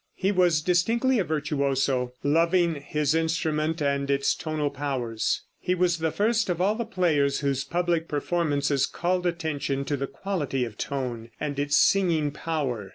He was distinctly a virtuoso, loving his instrument and its tonal powers. He was the first of all the players whose public performances called attention to the quality of tone, and its singing power.